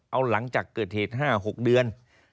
เอาหลังจากเกิดเหตุ๕๖เดือน